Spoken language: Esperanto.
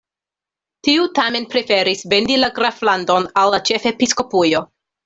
Tiu tamen preferis vendi la graflandon al la ĉefepiskopujo.